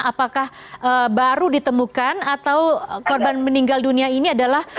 apakah baru ditemukan atau korban meninggal dunia ini adalah